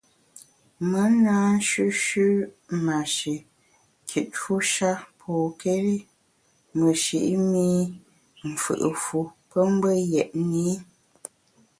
Me na nshüshü’ mashikitfu sha pokéri meshi’ mi mfù’ fu pe mbe yetni.